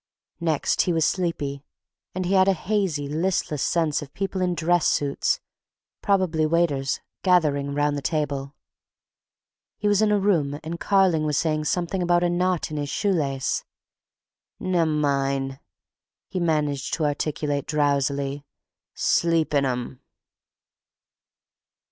Next he was sleepy, and he had a hazy, listless sense of people in dress suits, probably waiters, gathering around the table.... ... He was in a room and Carling was saying something about a knot in his shoe lace. "Nemmine," he managed to articulate drowsily. "Sleep in 'em...."